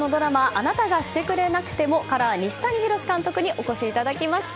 「あなたがしてくれなくても」の西谷弘監督にお越しいただきました。